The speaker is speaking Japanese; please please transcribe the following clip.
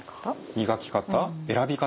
磨き方選び方。